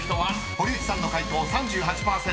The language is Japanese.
堀内さんの解答３８％。